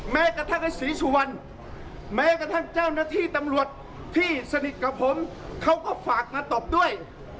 แม้กระทั่งเจ้าหน้าที่ตำรวจที่สนิทกับผมเขาก็ฝากมาตบด้วย